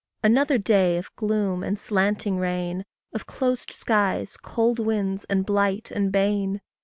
Another day of gloom and slanting rain! Of closed skies, cold winds, and blight and bane!